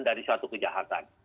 dari suatu kejahatan